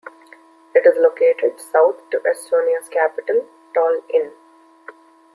It is located south to Estonia's capital, Tallinn.